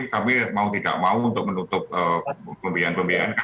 kami mau tidak mau untuk menutup pembiayaan pembiayaan